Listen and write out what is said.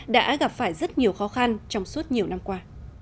đã gặp phải rất nhiều khó khăn trong suốt nhiều năm qua